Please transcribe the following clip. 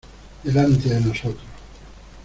delante de nosotros.